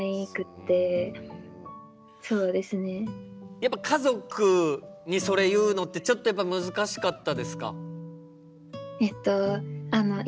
やっぱ家族にそれ言うのってちょっとやっぱ難しかったですか？